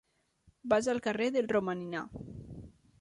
Vaig al carrer del Romaninar.